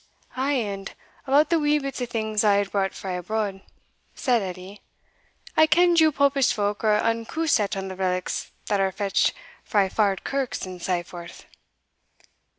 "Ay, and about the wee bits o' things I had brought frae abroad," said Edie. "I ken'd you popist folk are unco set on the relics that are fetched frae far kirks and sae forth."